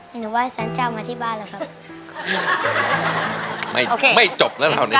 หนูว่าสัญญามาที่บ้านแล้วครับ